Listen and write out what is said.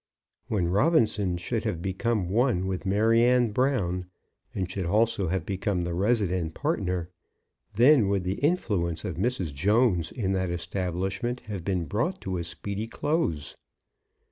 When Robinson should have become one with Maryanne Brown, and should also have become the resident partner, then would the influence of Mrs. Jones in that establishment have been brought to a speedy close.